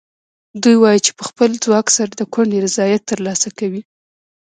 دوی وایي چې په خپل ځواک سره د کونډې رضایت ترلاسه کوي.